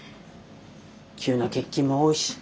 急な欠勤も多いし。